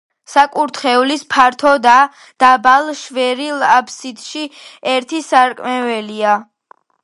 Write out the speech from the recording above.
საკურთხევლის ფართო და დაბალ შვერილ აფსიდში ერთი სარკმელია.